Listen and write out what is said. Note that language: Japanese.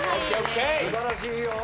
素晴らしいよ。